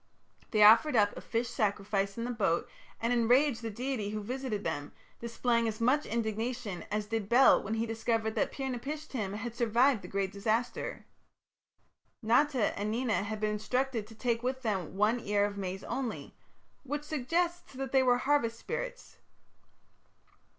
They offered up a fish sacrifice in the boat and enraged the deity who visited them, displaying as much indignation as did Bel when he discovered that Pir napishtim had survived the great disaster. Nata and Nena had been instructed to take with them one ear of maize only, which suggests that they were harvest spirits.